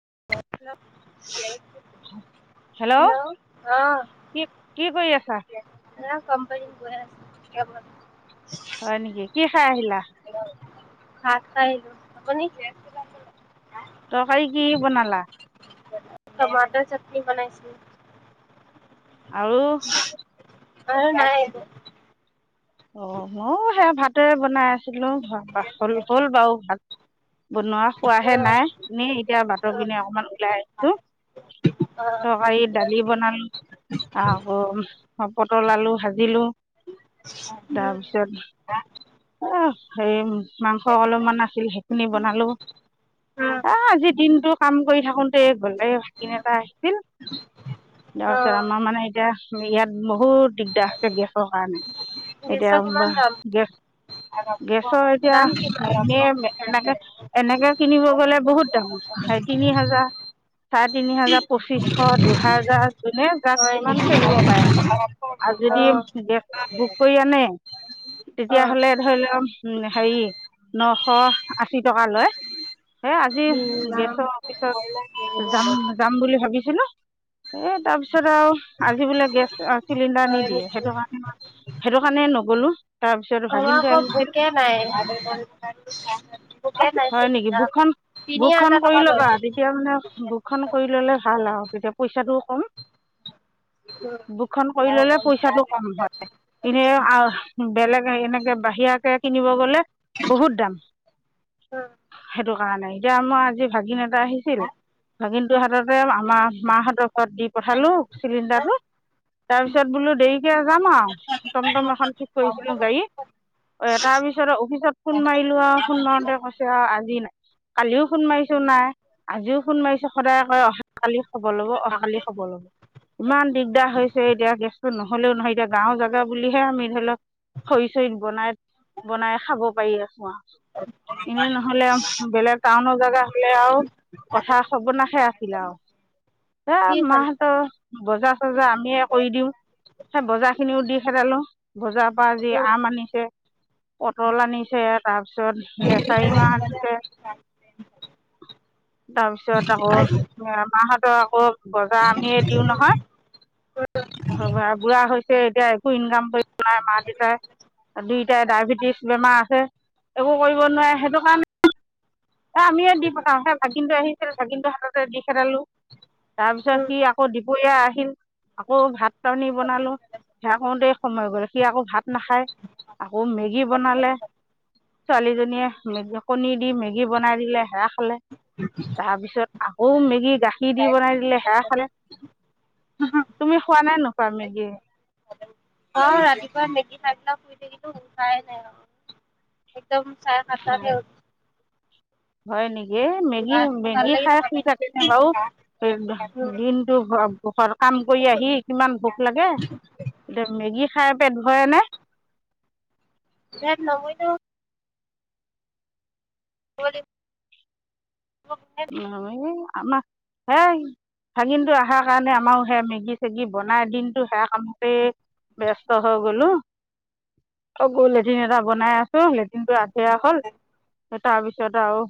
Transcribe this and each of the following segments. [unintelligible] Hello অ কি কি কৰি আছা ন কম্পানী গ আছে হয় নেকি কি খাই আহিলা ভাত খাইিলো আ। পৰি কি বনালা। টমাটৰ চবচজি বনাইছ। আৰু আৰু নাই একো। অ মইও সেয়া ভাত। ত বনাই আছে। ছিল হ হ'ল বও ভাল। বনোৱা অ খোৱাহে নাই এনেই এতিয়া বাতৰ অ পনে অকমান ওলাই আহিছো অ তৰকাৰী দালি বনালো আকৌ পটল আলু ভাজিলো। উম তাৰপিছত। অ এইম। মাংস অলপমান আছিল সেইখিনি বনালো উম আহ আজিৰ দিনতটো। খাম। কৰি থাকোতে বেমাৰি ভাগিন এটা আহিছিল অ তাৰপিছত আমাৰ মানে এতিয়া ইয়াত বহুত। দিগদাৰ আছে দেশৰ কাৰণে। এতিয়া গেছৰ কিমান বা দাম গেফ। গেছৰ এতিয়া দাম কি এনেই এনেকে এনেকে কিনিব গলে বহুত দাম তিনি হাজাৰ চাৰে তিনি হাজাৰ পঁচিশশ দুহোজাৰ যোনে জা হয় ইমান নেকি ঠেলিব পাৰে অ আৰু আৰু যদি গেছ বুক কৰি। অ তেতিয়াহ'লে। উ হেৰি নশ। আশি টকা লয় সেয়া। অ যদি উম গেছৰ অফিচত যাম যাম বুলি ভাবি। ন এ তাৰপিছত। তাৰ পিছত আৰু আজি বোলে গেছ চিলিণ্ডাৰ হয় নিদিয়ে নেকি সেইটো কাৰণে সেইটো কাৰণে নগলো। তাৰপিছত আমাৰ ভাগিন। এতিয়া আকৌ আহিছিল বুকে নাই বুকে নাই হয় নেকি চিলিণ্ডাৰ বুকখন তিনি বুকখন হাজাৰ কৰি টকা লয় লবা তেতিয়া মানে বুকখন কৰি ললে ভাল আৰু তেতিয়া। পইচাটোও কম। উম বুকখন কৰি ললে পইচাটো কম হয় এনে অ বেলেগ এনে। বাহিৰা কে কিনিব গ'লে। বহুত দাম উম সেইটো। পোৱা নাই এতিয়া আমাৰ আজি ভাগি ন। আহিছিল ভাগিন। হাততে আমাৰ মা হঁতক দি পঠালো চিলিণ্ডাৰটো তাৰপিছত বোলো দেৰিকে যাম আৰু টমটম এখন ঠিক কৰিছিলো গাড়ী তাৰ পিছত অফিচত ফোন মাৰিলো আৰু ফোন মাৰোতে কৈছে আজি নাই কালিও ফোন মাৰিছো নাই আজিও ফোন মাৰিছো সদায় কৈ অহা কালি খবৰ লব অহাকালি খবৰ লব ইমান দিগদাৰ হৈছে এতিয়া গেছ নহলেও নহয় এতিয়া গাঁও জেগা বুলিহে আমি ধৰি লওক খৰি চৰি কৰি আছো অ এনেই নহলে আৰু বেলেগ টাউনৰ জেগা হলে আৰু কথাৰ সবনাশে আছিল আৰু এ কি খালে মাহতো বজাৰ বজাৰ আমিয়ে কৰি দিওঁ সেই বজাৰ খিনিও দি খেদালো বজাৰ পৰা যি উম আম আনি পটল আনিছে তাৰপিছত লেচাৰী মাহ আনিছে তাৰপিছত আকৌ মৰামাহ ত আকৌ বজাৰ আমিয়ে দিওঁ নহয়় বুঢ়া বুঢ়া হৈছে এতিয়া ইনকাম নাই মা দেউতাই দুয়োটাই ডায়েবেটিছ বেমাৰ আছে একো কৰিব নোৱাৰে সেইটো কাৰণে এ আমিয়ে দি পঠাওঁ কিন্তু আহিছিল চ কিন্তু হাততে দি খেদালো তাৰ পিছত উম সি আকৌ দুপৰীয়া আহিল আকৌ ভাত চাটনি বনালো থাকোতে সময় গ'ল সি আকৌ ভাত নাখায় আকৌ মেগী বনালে ছোৱালীজনীয়ে মেগী কণী দি মেগী বনাই দিলে সেয়া খালে তাৰপিছত আকৌ মেগি গাখীৰ দি বনাই দিলে সেয়া খালে তুমি খোৱা নাই নো মেগি অ ৰাতিপুৱা মেগি খাই দিলোঁ শুই থাকিলোঁ উঠাই নাই একদম চাহ হয় একাপ হয় নেকি এ মেগী ভাল মেগী লাগি খাই থকা শুই নাই। থাকে নে বাৰু দিনতটো ঘৰত কাম কৰি আহি কিমান ভোক লাগে এতিয়া মেগী খাই পেট ভৰে নে পেত নভৰিলেও হ নালাগে। আমাৰ সে ভাগিনটো অহাৰ কাৰণে আমাৰ সে মেগি চেগি বনাই দিনটো সেয়া কামতে ব্স্ত হৈ গলো আকৌ লেট্ৰিন এটা বনাই আছো লেট্ৰিন টো সেয়া হ'ল তাৰ পিছত আৰু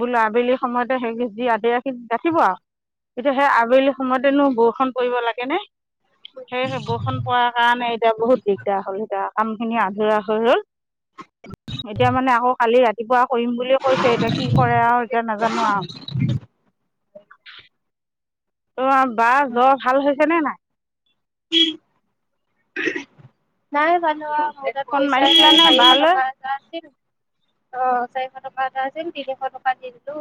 বোলো আবেলি সময়ত। সেই যি আদে আখিন ৰাখিব আৰু এতিয়া সেই আবেলি সময়তেনো বৰষুণ পৰি লাগেনে? সেইেই বৰষুণ পাৰ কাৰণে এতিয়া বহুত দিগদাৰ হ'ল এতিয়া। কাম খিনি আধৰুৱা হৈ ৰ'ল। এতিয়া মানে আকৌ খালি ৰাতিপুৱা শুৰিম বুলিুলিয় কৈছে এতিয়া কি কৰে আৰু এতিয়া নাজানো আৰু [unintelligible] অ' বাৰ জ্বৰ ভাল হৈছে নে নাই? উম নাই বনোৱা মোৰ তাত ফোন পইচাই নাই মাৰিছিলানে চাৰিশ বালৈ টকা এটা আছিল। আহ চাৰিশ টকা এটা আছিল তিনিশ টকা দি দিলো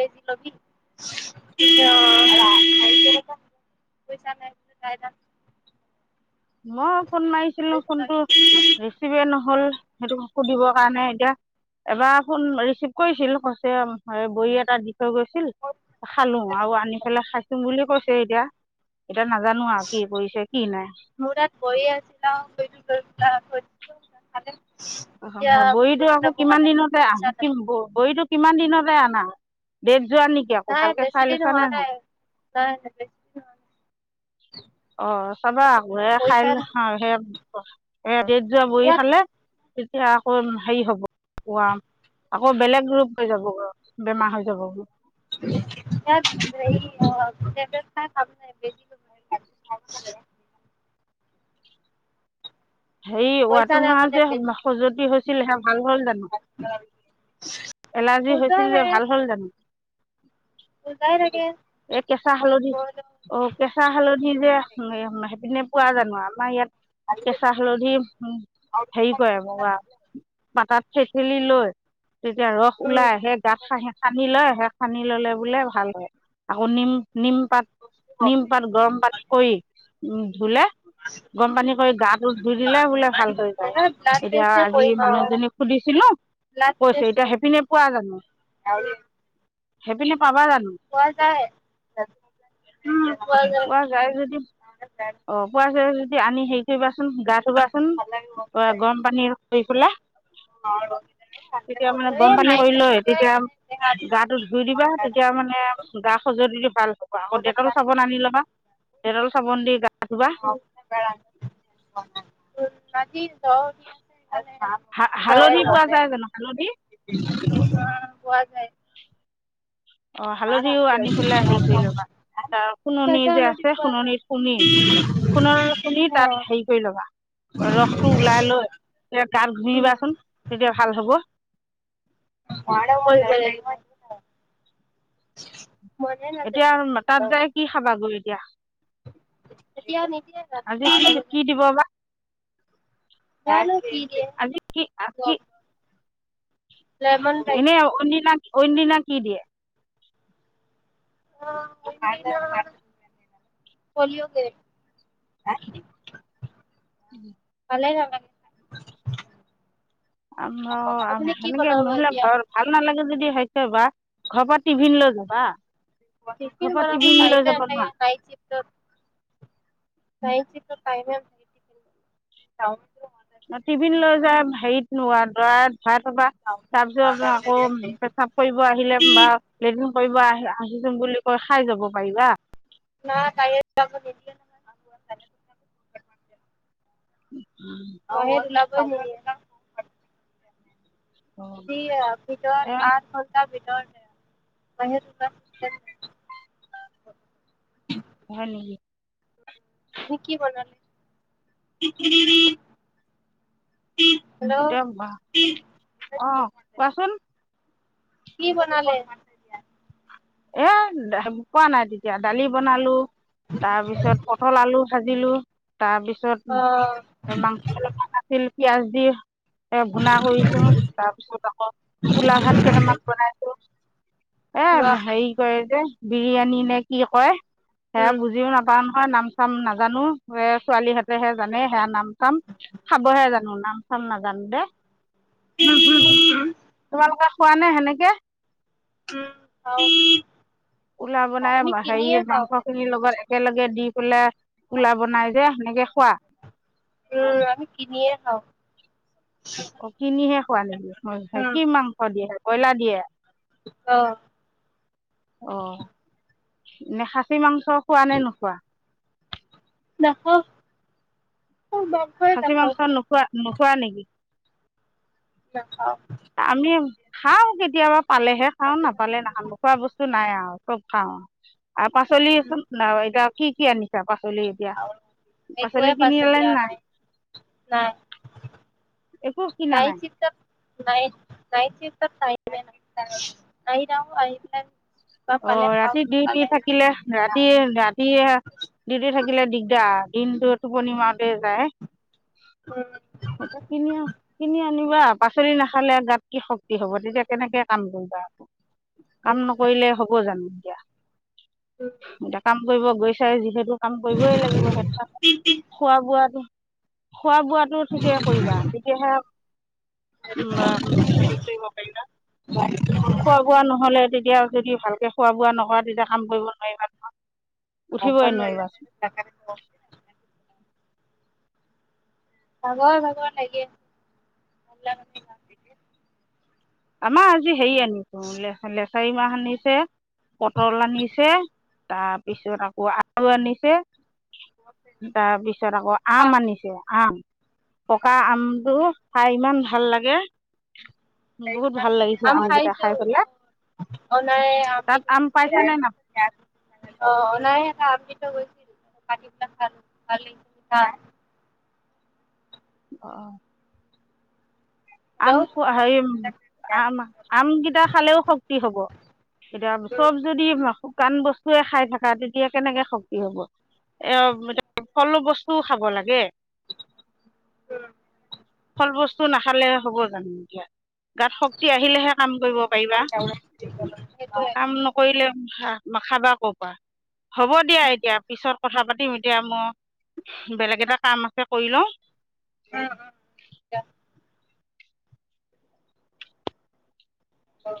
বেজি লবি বুলি। তাৰপিছত পইচা নাই। মই ফোন মাৰিছিলো ফোনটো ৰিচিভে নহ'ল। সেইটো সুধিবৰ কাৰণে এতিয়া এবাৰ ফোন ৰিচিভ কৰিছিল সস্তীয়া বড়ি এটা দি থৈ গৈছিল খালোঁ‌ আৰু আনি পেলাই খাইছো বুলি। কৈছে এতিয়া। এতিয়া নাজানো আৰু কি কৰিছে কি নাই। মোৰ তাত গৈয়ে আছিলা গৈ গৈ পেলাই গৈছিলোঁ‌। খালি অ' বড়িটো আকৌ কিমান দিনতে আ পইচা নাই। হাকিম বড়িটো কিমান দিনলে আনা দেট নাই বেছি দিন হোৱা নাই নাই বেলেগ। অ' চাবা আকৌ এ খাই পইচা লৈ চাৰ হে হব এ ডে‌ট যোৱা বড়ি ইয়াত খালে। তেতিয়া আকৌ হেৰি হ'ব আকৌ বেলেগ ৰূপ হৈ যাবগৈ। বেমাৰ হৈ যাব। হেইত হেৰি অ' টেবলেট খাই মানুহ মাৰিবি। হেৰি পইচা যোৱটো নাই মাহত কাৰণে যে বেজি নলয়। খজুৱতি হৈছিল সে ভাল হল জানো? এলাৰ্জি পূজাই হৈছিল যে থাকে ভাল হল জানো? পূজাই থাকে এই কেঁচা হালধি অ' কেঁচা হালধি যে। পিনে পোৱা জানো আমাৰ ইয়াত। আৰু কেঁচা হেৰি কৰে মোৰা। পাতাত ঠেটেলি লৈ তেতিয়া ৰস উম। ওলাই সেই গাত সা সানি লয় গাত সানি ললে বোলে ভাল হয় আকৌ নিম নিম পাত নিম পাত গৰম পানী কৰি উম ধুলে গৰম পানী কৰি গাত টো ধুই দিলে বোলে ভাল হৈ যায়। সেইকাৰণে ব্লাড এতিয়া টেষ্টে আজি কৰিম মানুহ আৰু এজনীক সুধিছিলো, ব্লাড কৈছে টেষ্ট এতিয়া কৰিম। সেইপিনে পোৱা জানো? সেইপিনে পাবা জানো পোৱা যায়। উম্ পোৱা যায়। অঁ পোৱা যায় যদি আনি হেৰি কৰিবাচোন গা ধুবাচোন গৰম পানী কৰি পেলাই তেতিয়া মানে গৰম পানী কৰি লৈ তেতিয়া গাটো ধুই দিবা তেতিয়া মানে গা খজতি টো ভাল আগত দেউতাৰো চাবন আনি ল'বা দেতল‌ চাবুন দি গা ধুবা অ বে [unintelligible] ন [inaudible] হালধি পোৱা যায় জানো হালধি অ পোৱা যায় অ হালধিও আনি পেলাই হেৰি কৰি লবা ত সোণনি যে কঁচালটি আছে পোৱা যায় সোণনিত খুন্দি সোণন খুন্দি অ তাত হেৰি কৰি ল'বা ৰসটো ওলাই লৈ গাত উম ঘহিবাচোন তেতিয়া ভাল হব [inaudible] [inaudible] নাযায় এতিয়া তাত যায় কি খাবা গৈ এতিয়া তেতিয়া নিদিয়ে আজি কি ৰাতিপুৱা কি দিব বা জানু কি দিযে আজি এনে আও অইন দিনা অইনদিনা কি দিয়ে অ পলিঅ গ উম ভালে আও ইমান ভাল আম তেনেকে নহলে এতিয়া? ভাল নালাগে যদি হৈছে বা ঘৰ পৰা টিভিন লৈ যাবা ঘৰৰ টিফিন পৰা বনাব লৈ পাৰি বা যাব নাই নোৱাৰা নাইট চিফট অত নাইট চিফট অত টাইমে চাও টিফিন লৈ হেৰিত নোোৱাৰোৱা ত ভৰাই থবা তাৰপিছত আকৌ পেচাব কৰিব আহিলে বা লেটিন কৰিব আহিছো বুলি কৈ খাই যাব পাৰিবা [unintelligible] উম অ [inaudible] অ, যিত এ আ খ ভিতৰতে বাহিৰত ওলোৱা চিষ্টেম নাই হয় নেকি অ কি কৰিবা অহ কোৱাচোন কি বনালে এ পোৱা নাই তেতিয়া দালি বনালো তাৰপিছত পটল আলু ভাজি লো তাৰ পিছত অ' মাংস অলপমান আছিল পিয়াজ দি এ ভুনা কৰিছো তাৰপিছত আকৌ পুলাঅ ভাত কেইটামান বনাইছো খোলা কি কয় যে বিৰিয়ানী নে কি কয় সে উম। বুজিও নাপাম নাম চাম নাজানো এ ছোৱালীহঁতেহে জানে সেয়া নাম চাম খাবহে জানো নাম চাম নাজানো দে তোমালোক পোৱা নাই সেনেকে উম উ পুলাঅ বনাই হেৰি মাংস খিনিৰ লগত একেলগে দি পুলা কোলা বনাই যে সেনেকে খোৱা উম আমি কিনিয়ে খাওঁ অ কিনিহে খোৱা নেকি ম কি মাংস দিয়ে বয়লা দিয়ে আহ অ' নে খাচী মাংস খোৱা নে নোখোৱা নাখাওঁ মাংসই খাচী নাখাওঁ মাংস নোখোৱা নোখোৱা নেকি নাখাওঁ আমি খাওঁ কেতিয়াবা। পালেহে খাও নাপালে নাখাওঁ নোখোৱা বস্তু। নাই আৰু চব খাওঁ আৰু পাচলিচোন ন এতিয়া কি কি আনিচা বা [inaudible] একোৱে পাচলি নাই নাই একো কিনা নাই নইট নাইট চিফটত পাই নে নাইৰাওলেণ্ অ ৰাতি ডিউটি থাকিলে ৰাতি ৰাতি দিউটি থাকিলে দিগদাৰ তা দিনটো টোপনি মাৰোতে যায়। উম এটা কিনিয় কিনি আ শুনিবা পাচলি নাখালে গাত কি শক্তি হ'ব তেতিয়া কেনেকে কাম কৰিবা আকৌ কাম সেইটোৱে নকৰিলে হ ওলাম এতিয়া এতিয়া কাম কৰিব গৈছাই যিহেতু কাম কৰিবই লাগিব সেই খোৱা বোৱাটো খোৱা বোৱাটো ঠিকে কৰিবা তেতিয়াহে হ কৰিব পাৰিবা খোৱা বোৱা নহ'লে তেতিয়া যদি ভাল খোৱা বোৱা নোহোৱা দিনা কাম কৰিব নোৱাৰি নহয় উঠিবই নোৱাৰিবাচোন ভাগৰ ভাগৰ লাগে আমাৰ আজি হেই আনি শুলে হ'লে চাৰিমাহ আনিছে পটল আনিছে তাৰপিছত আকৌ আলু খা আনিছে [inaudible] পকা আমটো খাই ইমান ভাল লাগে বহুত ভাল লাগিছে আম আমকেইটা খাইছোঁ খাই পেলাই অনায়ে তাত আমিত আম পাইছানে নাপ অ অনায় এটা আমিত [unintelligible] অ অ আম হেল্ল' খোৱা হে আম আম কেইটা খালেও শক্তি হব এতিয়া চব যদি শুকাণ বস্তুৱে খাই থকা তেতিয়া কেনেকে শক্তি হব এ এয়া ফল বস্তুও খাব লাগে। উম ফল বস্তু নাখালে হ'ব জানো এতিয়া গাত শক্তি আহিলেহে কাম কৰিব পাৰিবা সেইটোৱে। কাম নকৰিলে খাবা ক' পৰা হ'ব দিয়া এতিয়া পিছত কথা পাতিম এতিয়া মই বেলেগ এটা কাম আছে কৰি লওঁ উম উম দিয়া অঁ